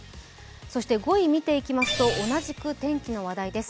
そして５位見ていきますと、同じく天気の話題です。